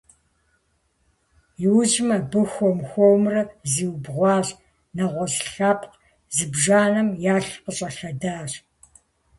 Иужьым абы хуэм-хуэмурэ зиубгъуащ, нэгъуэщӏ лъэпкъ зыбжанэм ялъ къыщӏэлъэдащ.